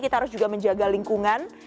kita harus juga menjaga lingkungan